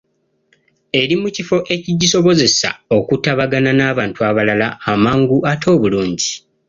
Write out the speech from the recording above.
Eri mu kifo ekigisobozesa okutabagana n’abantu abalala amangu ate obulungi.